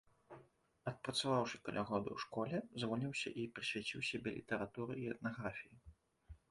Адпрацаваўшы каля года ў школе, звольніўся і прысвяціў сябе літаратуры і этнаграфіі.